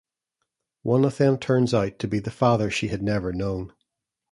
One of them turns out to be the father she had never known.